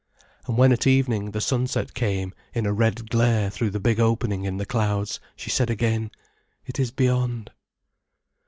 And when, at evening, the sunset came in a red glare through the big opening in the clouds, she said again, "It is beyond".